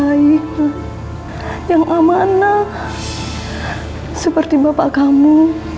ayahku yang amanah seperti bapak kamu